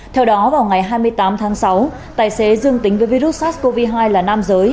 theo đó vào ngày hai mươi tám tháng sáu tài xế dương tính với virus sars cov hai là nam giới